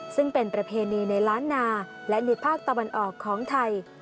ซึ่งเป็นประเพณีในล้านนาและในภาคตะวันออกของไทย